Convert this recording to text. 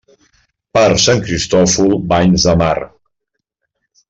Per Sant Cristòfol, banys de mar.